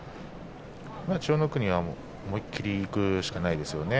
千代の国は思い切りいくしかありませんね。